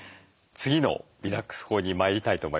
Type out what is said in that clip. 次のリラックス法に参りたいと思います。